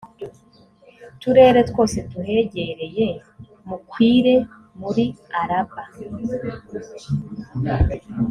tutere twose tuhegereye, mukwire muri araba